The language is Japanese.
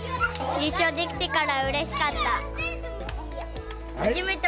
優勝できたからうれしかった。